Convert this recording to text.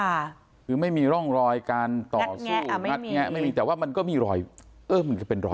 ค่ะคือไม่มีร่องรอยการต่อสู้งัดแงะไม่มีแต่ว่ามันก็มีรอยเออมันจะเป็นรอย